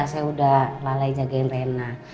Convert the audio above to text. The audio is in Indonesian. saya udah lalai jagain rena